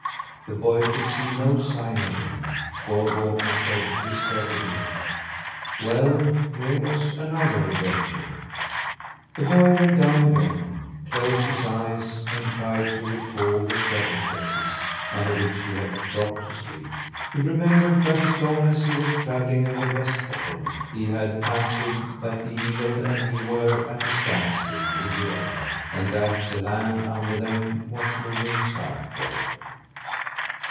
The boy could see no sign of him. Gorgo must have deserted him. Well, here was another adventure! The boy lay down again, closed his eyes, and tried to recall the circumstances under which he had dropped to sleep. He remembered that as long as he was travelling over Westbottom he had fancied that the eagle and he were at a standstill in the air, and that the land under them was moving southward.